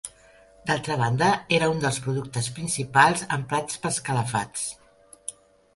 D’altra banda, era un dels productes principals emprats pels calafats.